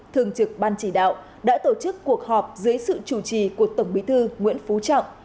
thường trực ban chỉ đạo đã tổ chức cuộc họp dưới sự chủ trì của tổng bí thư nguyễn phú trọng